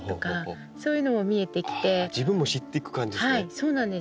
そうなんですよ。